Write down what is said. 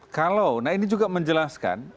kalau nah ini juga menjelaskan